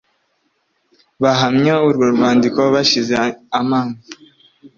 Bahamya urwo rwandiko bashize amanga